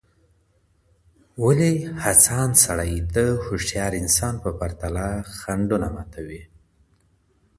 ولي هڅاند سړی د هوښیار انسان په پرتله خنډونه ماتوي؟